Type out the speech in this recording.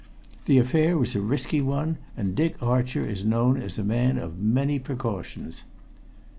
The affair was a risky one, and Dick Archer is known as a man of many precautions."